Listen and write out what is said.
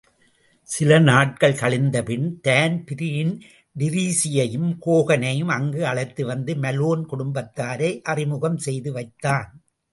சிலநாட்கள் கழிந்தபின் தான்பிரீன் டிரீஸியையும் ஹோகனையும் அங்கு அழைத்து வந்து மலோன் குடும்பத்தாரை அறிமுகம் செய்துவைத்தான்.